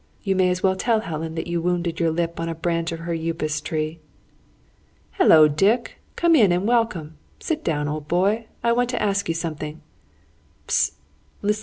You may as well tell Helen that you wounded your lip on a branch of her Upas tree.... "Hullo, Dick! Come in, and welcome! Sit down, old boy. I want to ask you something. Hist!